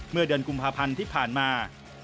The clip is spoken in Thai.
เมื่อเดือนกุมภาพันธ์ที่ผ่านมา